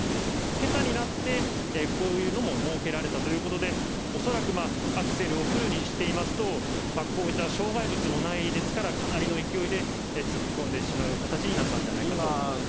けさになって、こういうのも設けられたということで、恐らくアクセルをフルにしてますと、こういった障害物もないですから、かなりの勢いで突っ込んでしまう形になったんじゃないかと思いま